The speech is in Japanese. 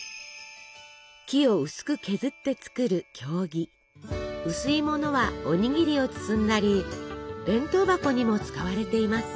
木を薄く削って作る薄いものはおにぎりを包んだり弁当箱にも使われています。